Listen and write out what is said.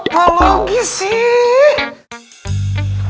gak logis sih